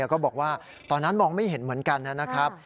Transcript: ก็บอกว่าตอนนั้นมองไม่เห็นเหมือนกันนะครับ